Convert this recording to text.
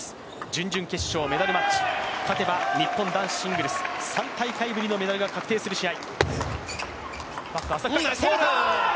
準々決勝メダルマッチ、勝てば、本男子シングルス、３大会ぶりのメダルが確定する試合。